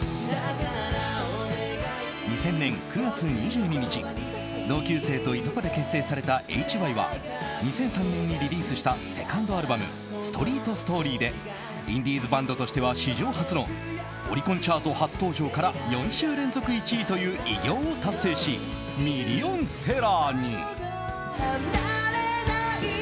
２０００年９月２２日、同級生といとこで結成されたＨＹは２００３年にリリースしたセカンドアルバム「ＳｔｒｅｅｔＳｔｏｒｙ」でインディーズバンドとしては史上初のオリコンチャート初登場から４週連続１位という偉業を達成し、ミリオンセラーに。